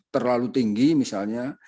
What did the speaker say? terlalu tinggi misalnya